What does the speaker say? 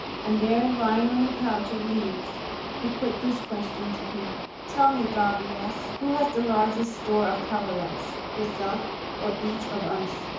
And there, lying on a couch of leaves, he put this question to him, 'Tell me, Gobryas, who has the largest store of coverlets, yourself, or each of us?"